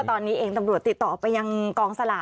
ตอนนี้เองตำรวจติดต่อไปยังกองสลาก